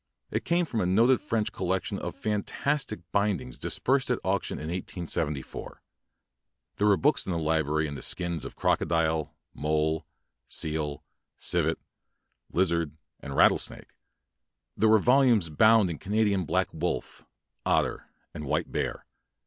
It came from a noted French collection of fantastic bindings dis persed at auction in 1874. There were books in this library in the skins of crocodile, mole, seal, civet, lizard, and rattlesnake. There were volumes bound in Canadian black wolf, otter, and white bear.